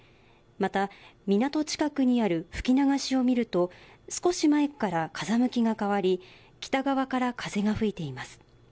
また港近くにある吹き流しを見ると少し前から風向きが変わり北側から風が吹いています。